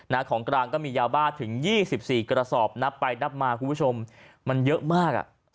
ของกลางก็มียาบ้าถึงยี่สิบสี่กระสอบนับไปนับมาคุณผู้ชมมันเยอะมากอ่ะ